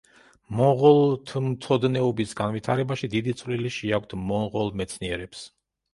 მონღოლთმცოდნეობის განვითარებაში დიდი წვლილი შეაქვთ მონღოლ მეცნიერებს.